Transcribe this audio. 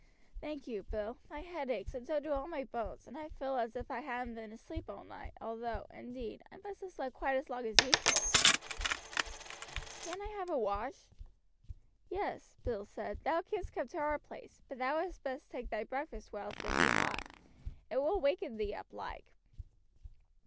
"Thank you, Bill, my head aches, and so do all my bones, and I feel as if I hadn't been asleep all night, although, indeed, I must have slept quite as long as usual. Can't I have a wash?" "Yes," Bill said, "thou canst come to our place; but thou had best take thy breakfast whilst it be hot. It will waken thee up like."